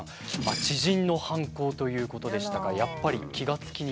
知人の犯行ということでしたがやっぱり気が付きにくいんでしょうか？